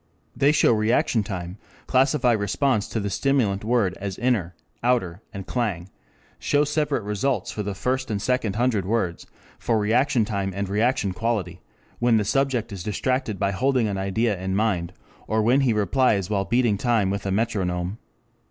They show reaction time, classify response to the stimulant word as inner, outer, and clang, show separate results for the first and second hundred words, for reaction time and reaction quality when the subject is distracted by holding an idea in mind, or when he replies while beating time with a metronome.